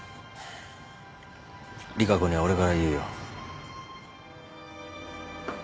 利佳子には俺から言うよ。